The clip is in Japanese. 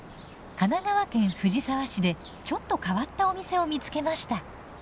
神奈川県藤沢市でちょっと変わったお店を見つけました。